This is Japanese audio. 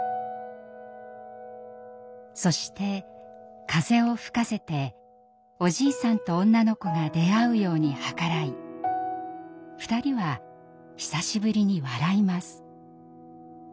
そして風を吹かせておじいさんと女の子が出会うように計らい２人は久しぶりに笑います。